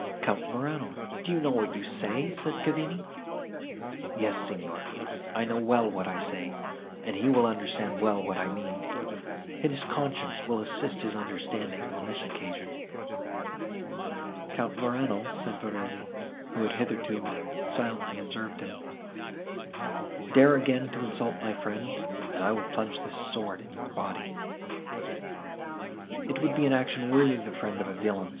"Count Morano! do you know what you say?" said Cavigni. "Yes, Signor, I know well what I say, and he will understand well what I mean. His conscience will assist his understanding, on this occasion." "Count Morano," said Verezzi, who had hitherto silently observed him, "dare again to insult my friend, and I will plunge this sword in your body." "It would be an action worthy the friend of a villain!"